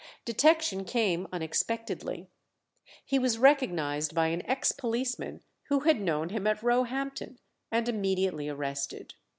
Detection came unexpectedly. He was recognized by an ex policeman who had known him at Roehampton, and immediately arrested.